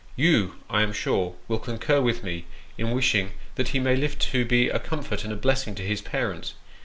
You, I am sure, will concur with me in wishing that he may live to be a comfort and a blessing to his parents.